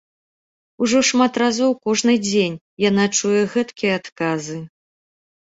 Ужо шмат разоў, кожны дзень яна чуе гэткія адказы.